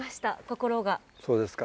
そうですか。